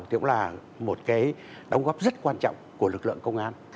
cũng là một cái đóng góp rất quan trọng của lực lượng công an